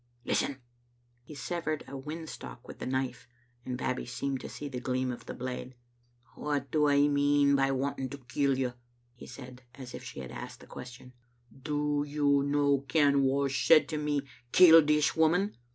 Listen!" He severed a whin stalk with the knife, and Babbie seemed to see the gleam of the blade. "What do I mean by wanting to kill you?" he said, as if she had asked the question. " Do you no ken wha said to me, *Kill this woman?'